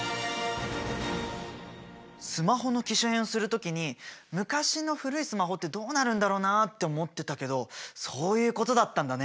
スマホの機種変する時に昔の古いスマホってどうなるんだろうなあって思ってたけどそういうことだったんだね。